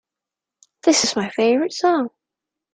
This is my favorite song!